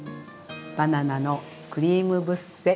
バナナのクリームブッセ。